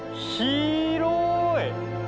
広い！